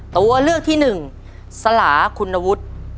ตัวเลือกที่หนึ่งสลาคุณวุฒิ